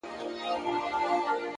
ښه نوم تر شتمنۍ ارزښتمن دی,